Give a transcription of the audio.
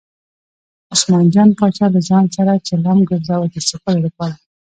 عثمان جان پاچا له ځان سره چلم ګرځاوه د څکلو لپاره.